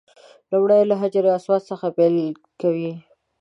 لومړی له حجر اسود څخه پیل کوي.